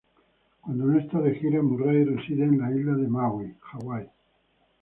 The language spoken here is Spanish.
Cuando no está de gira, Murray reside en la isla de Maui, Hawaii.